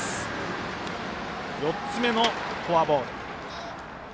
４つ目のフォアボール。